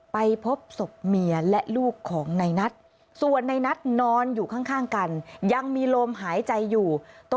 ไปพบสบเมียและลูกของในนัท